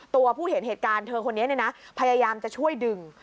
ตัวผู้เห็นเหตุการณ์เธอคนนี้เนี่ยนะพยายามจะช่วยดึง